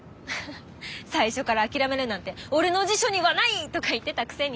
「最初から諦めるなんて俺の辞書にはない！」とか言ってたくせに。